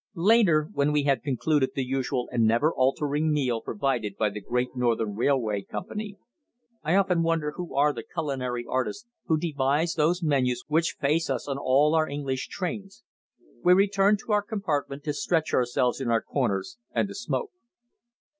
Later, when we had concluded the usual and never altering meal provided by the Great Northern Railway Company I often wonder who are the culinary artists who devise those menus which face us on all English trains we returned to our compartment to stretch ourselves in our corners and to smoke.